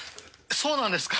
そうなんですか？